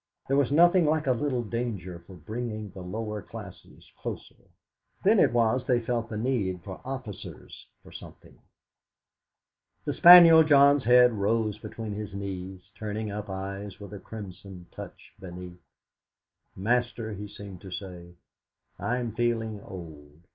There was nothing like a little danger for bringing the lower classes closer; then it was they felt the need for officers, for something! The spaniel John's head rose between his knees, turning up eyes with a crimson touch beneath. '.aster,' he seemed to say, 'I am feeling old.